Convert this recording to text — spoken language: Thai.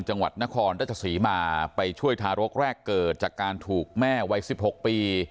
จังหวัดนครราชศรีมาไปช่วยทารกแรกเกิดจากการถูกแม่วัย๑๖ปี